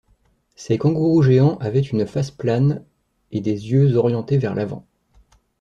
Ces kangourous géants avaient une face plane et des yeux orientés vers l'avant.